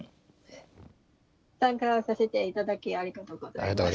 参加させて頂きありがとうございます。